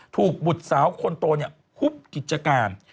ถูกบุษสาวคนโตเนี่ยฮุบกิจการ